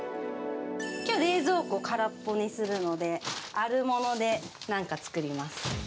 きょう、冷蔵庫を空っぽにするので、あるものでなんか作ります。